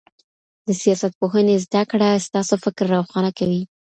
د سياست پوهني زده کړه ستاسو فکر روښانه کوي.